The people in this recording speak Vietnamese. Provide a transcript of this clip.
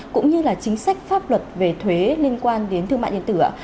cũng như là chính sách pháp luật về thuế liên quan đến thương mại điện tử ạ